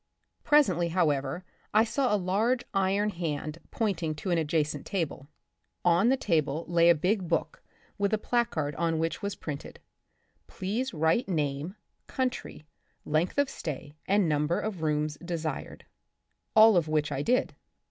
Presently, however, I saw a huge iron hand pointing to an adjacent table. On the The Republic of the Future, 1 7 table lay a big book with a placard on which was printed, ^^ Please write namey country ^ length of stay and number of rooms desired'' All of which I did.